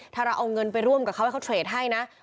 ถ้าเราเอาเงินไปร่วมกับเขาให้เขาเทรดให้นะ